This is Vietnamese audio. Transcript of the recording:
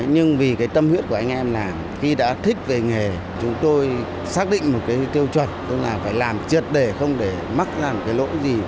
nhưng vì cái tâm huyết của anh em là khi đã thích nghề chúng tôi xác định một cái tiêu chuẩn là phải làm trượt để không để mắc làm cái lỗi gì